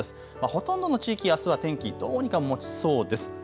ほとんどの地域、あすは天気どうにかもちそうです。